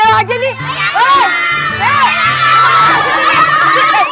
awas walaupun dia bawa grace